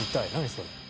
それ。